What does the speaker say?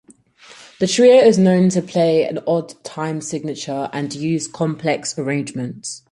The trio is known to play in odd time signatures and use complex arrangements.